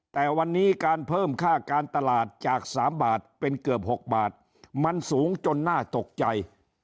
แต่วันนี้การเพิ่มค่าการตลาดจาก๓บาทเป็นเกือบ๖บาทมันสูงจนน่าตกใจ